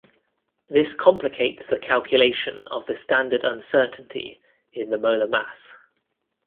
This complicates the calculation of the standard uncertainty in the molar mass.